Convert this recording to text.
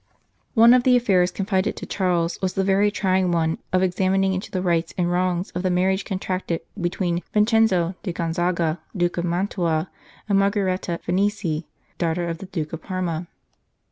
One of the affairs confided to Charles was the very trying one of examining into the rights and wrongs of the marriage contracted between Vin cenzo di Gonzaga, Duke of Mantua, and Mar geretta Farnese, daughter of the Duke of Parma.